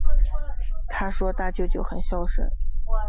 她说大舅舅很孝顺